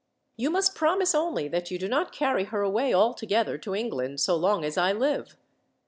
You must promise only that you do not carry her away altogether to England, so long as I live.